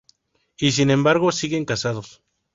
Y sin embargo, siguen casados.